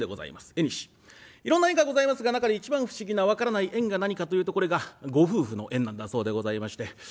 いろんな縁がございますが中で一番不思議な分からない縁が何かというとこれがご夫婦の縁なんだそうでございまして。